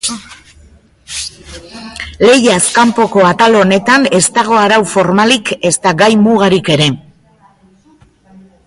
Lehiaz kanpoko atal honetan ez dago arau formalik ezta gai-mugarik ere.